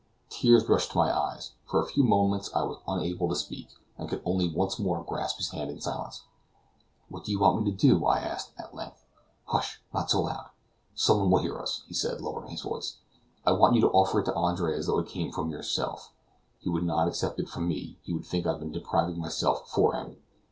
Tears rushed to my eyes; for a few moments I was unable to speak, and could only once more grasp his hand in silence. "What do you want me to do?" I asked, at length. "Hush! not so loud; someone will hear us," he said, lowering his voice; "I want you to offer it to Andre as though it came from yourself. He would not accept it from me; he would think I had been depriving myself for him.